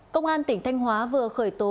công an tỉnh thanh hóa vừa khởi tố